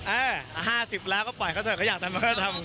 เออ๕๐แล้วก็ปล่อยเขาตามสไตล์เขาอยากทำก็ทำ